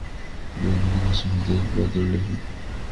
গোপালদাদা কাশী হইতে এক পত্র লেখে।